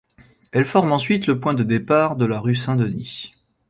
Elle forme ensuite le point de départ de la rue Saint-Denis.